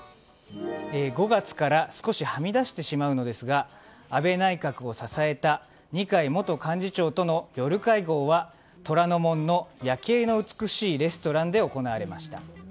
５月から少しはみ出してしまうのですが安倍内閣を支えた二階元幹事長との夜会合は虎ノ門の夜景の美しいレストランで行われました。